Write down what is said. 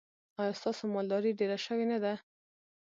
ایا ستاسو مالداري ډیره شوې نه ده؟